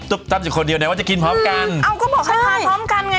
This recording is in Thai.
จุ๊บตับจุ๊บคนเดียวเนี้ยวว่าจะกินพร้อมกันอ้าวก็บอกให้พร้อมกันไง